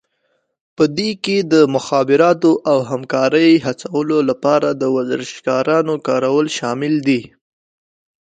په دې کې د مخابراتو او همکارۍ هڅولو لپاره د ورزشکارانو کارول شامل دي